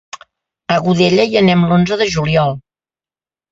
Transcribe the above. A Godella hi anem l'onze de juliol.